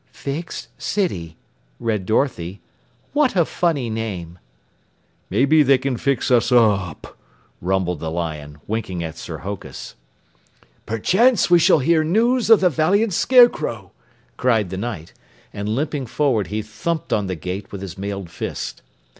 "Fix City," read Dorothy. "What a funny name!" "Maybe they can fix us up," rumbled the lion, winking at Sir Hokus. "Perchance we shall hear news of the valiant Scarecrow!" cried the Knight, and limping forward he thumped on the gate with his mailed fist.